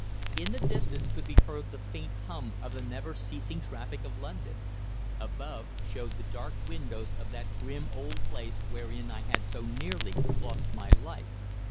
In the distance could be heard the faint hum of the never ceasing traffic of London. Above, showed the dark windows of that grim old place wherein I had so nearly lost my life.